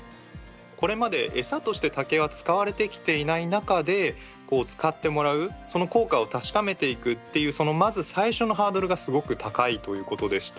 これまでエサとして竹は使われてきていない中でこう使ってもらうその効果を確かめていくっていうそのまず最初のハードルがすごく高いということでした。